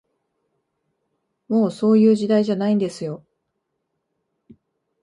もう、そういう時代じゃないんですよ